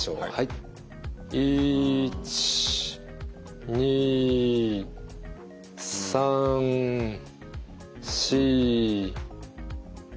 １２３４５。